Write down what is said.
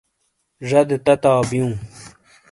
زَدے تتاؤ بیوں۔